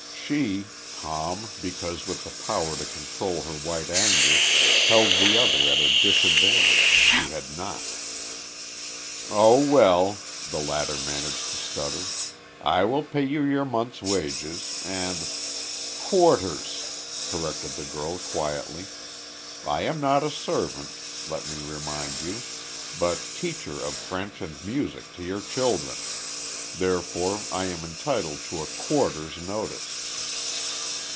She, calm, because with the power to control her white anger, held the other at a disadvantage, who had not. "Oh, well," the latter managed to stutter. "I will pay you your month's wages, and " "Quarter's," corrected the girl quietly. "I am not a servant, let me remind you, but teacher of French and music to your children. Therefore I am entitled to a quarter's notice."